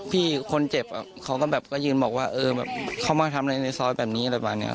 พี่คนเจ็บเขาก็แบบก็ยืนบอกว่าเออแบบเข้ามาทำอะไรในซอยแบบนี้อะไรประมาณนี้